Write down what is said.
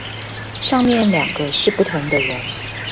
上面兩個是不同的人